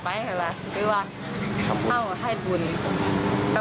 พอมันเยอะ